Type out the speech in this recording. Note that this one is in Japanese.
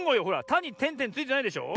「た」にてんてんついてないでしょ。